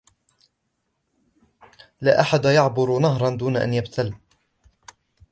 لا أحد يعبر نهرا دون أن يبتل.